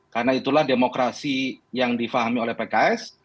karena itulah demokrasi yang difahami oleh pks